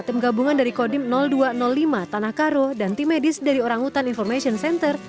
tim gabungan dari kodim dua ratus lima tanah karo dan tim medis dari orangutan information center